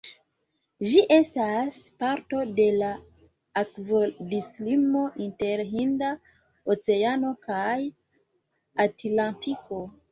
Ĝi estas parto de la akvodislimo inter Hinda Oceano kaj Atlantiko.